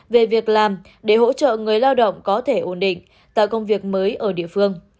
về việc làm để hỗ trợ người lao động có thể ổn định tạo công việc mới ở địa phương